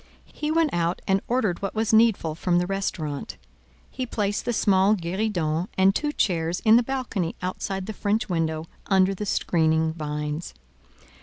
He went out and ordered what was needful from the restaurant; he placed the small guéridon and two chairs in the balcony outside the French window under the screening vines.